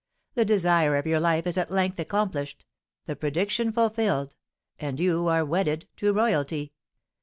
The desire of your life is at length accomplished, the prediction fulfilled, and you are wedded to royalty!"